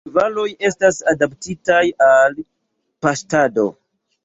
Ĉevaloj estas adaptitaj al paŝtado.